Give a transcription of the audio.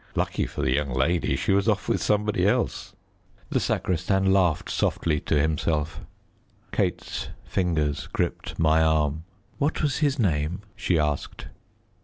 Lucky for the young lady she was off with somebody else." The sacristan laughed softly to himself. Kate's fingers gripped my arm. "What was his name?" she asked.